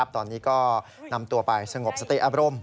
ตอนนี้ก็นำตัวไปสงบสติอารมณ์